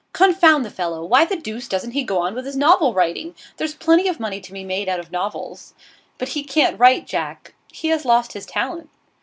'Confound the fellow! Why the deuce doesn't he go on with his novel writing? There's plenty of money to be made out of novels.' 'But he can't write, Jack. He has lost his talent.